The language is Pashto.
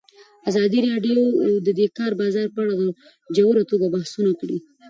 ازادي راډیو د د کار بازار په اړه په ژوره توګه بحثونه کړي.